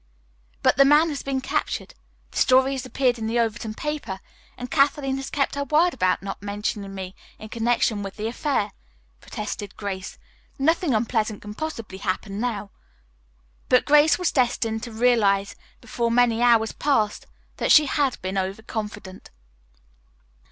"But the man has been captured, the story has appeared in the Overton paper and Kathleen has kept her word about not mentioning me in connection with the affair," protested Grace. "Nothing unpleasant can possibly happen now." But Grace was destined to realize before many hours passed that she had been over confident.